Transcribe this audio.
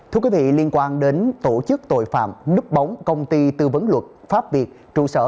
thưa quý vị liên quan đến tổ chức tội phạm núp bóng công ty tư vấn luật pháp việt trụ sở